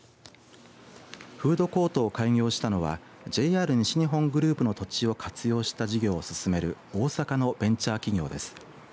フードコートを開業したのはＪＲ西日本グループの土地を活用した事業を進める大阪のベンチャー企業です。